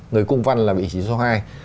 người cung văn là vị trí số hai